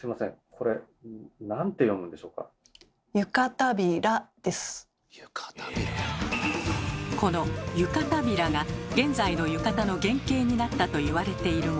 これこの「湯帷子」が現在の浴衣の原型になったと言われているもの。